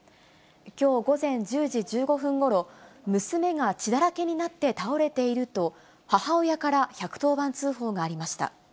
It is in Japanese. きょう午前１０時１５分ごろ、娘が血だらけになって倒れていると、母親から１１０番通報がありました。